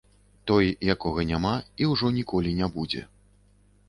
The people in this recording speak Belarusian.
Той, якога няма і ўжо ніколі не будзе.